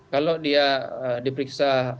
kalau dia diperiksa sebatas sebetulnya